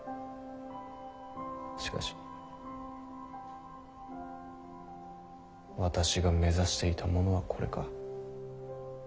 しかし私が目指していたものはこれか？